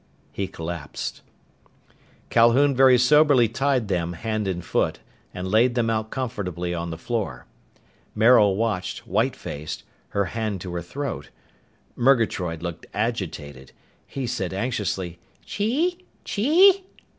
He collapsed. Calhoun very soberly tied them hand and foot and laid them out comfortably on the floor. Maril watched, white faced, her hand to her throat. Murgatroyd looked agitated. He said anxiously, "_Chee? Chee?